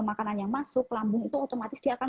makanan yang masuk lambung itu otomatis dia akan